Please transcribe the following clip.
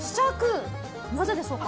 なぜでしょうか？